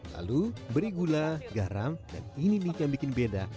lalu beri gula garam dan ini mie yang bikin beda